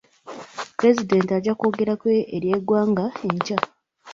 Pulezidenti ajja kwogerako eri eggwanga enkya.